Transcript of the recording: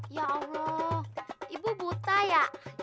ya allah ibu buta ya